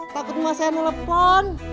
takut masa yang telepon